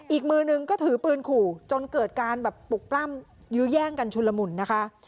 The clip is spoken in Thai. อีกมือนึงก็ถือปืนขู่จนเกิดการแบบปลุกปล้ำยื้อแย่งกันชุนละมุนนะคะ